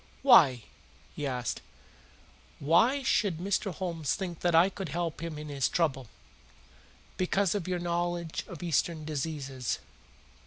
"Why?" he asked. "Why should Mr. Homes think that I could help him in his trouble?" "Because of your knowledge of Eastern diseases."